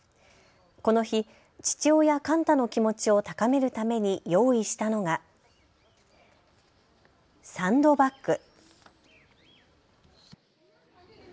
この日、父親カンタの気持ちを高めるために用意したのがサンドバッグ。